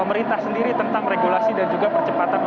dan juga pemerintah sendiri tentang regulasi dan juga perkembangan waktu